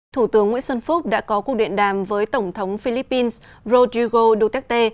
thủ tướng nguyễn xuân phúc đã có cuộc điện đàm với tổng thống philippines rodrigo duterte